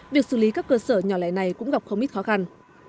việc xử lý các cơ sở nhỏ lẻ này cũng gặp không ít khó khăn